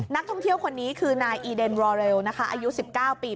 นักท่องเที่ยวคนนี้คือนายอีเดนรอเรลนะคะอายุ๑๙ปี